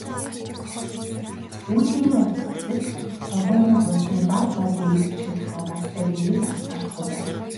"Гүйлгээний утга" хэсэгт торгуулийн хуудасны бар кодыг л бичихэд хангалттайг иргэд анзаарахгүй байна.